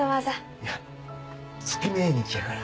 いや月命日やから。